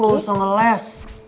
lu usah ngeles